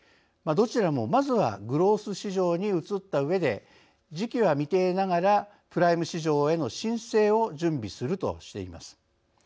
どちらも、まずはグロース市場に移ったうえで時期は未定ながらプライム市場への申請を準備するとしています。